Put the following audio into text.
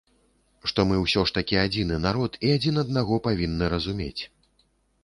Што мы ўсё ж такі адзіны народ і адзін аднаго павінны разумець.